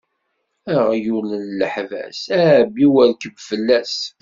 Aɣyul n leḥbas, ɛebbi u rkeb fell-as.